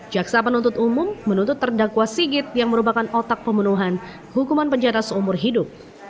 jaksa penuntut umum menuntut terdakwa sigit yang merupakan otak pemenuhan hukuman penjara seumur hidup